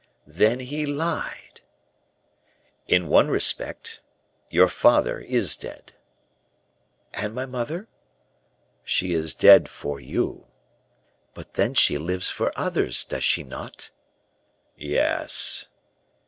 "Then he lied?" "In one respect. Your father is dead." "And my mother?" "She is dead for you." "But then she lives for others, does she not?" "Yes."